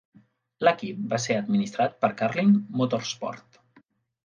L'equip va ser administrat per Carlin Motorsport.